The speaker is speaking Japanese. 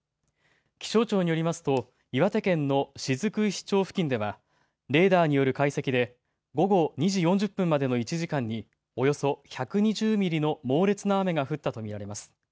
気象庁によりますと岩手県の雫石町付近ではレーダーによる解析で午後２時４０分までの１時間におよそ１２０ミリの猛烈な雨が降ったと見られます。